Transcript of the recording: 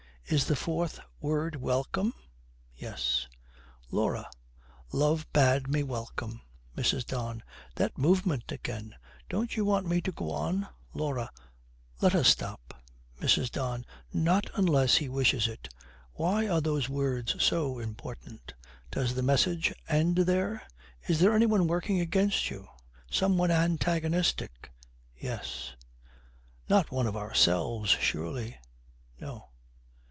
Is the fourth word Welcome? Yes.' LAURA. 'Love Bade Me Welcome.' MRS. DON. 'That movement again! Don't you want me to go on?' LAURA. 'Let us stop.' MRS. DON. 'Not unless he wishes it. Why are those words so important? Does the message end there? Is any one working against you? Some one antagonistic? Yes. Not one of ourselves surely? No.